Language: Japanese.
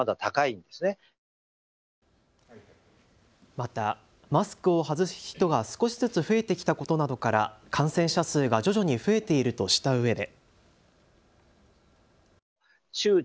またマスクを外す人が少しずつ増えてきたことなどから感染者数が徐々に増えているとしたうえで。